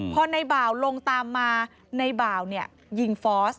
พอในบ่าวลงตามมาในบ่าวยิงฟอส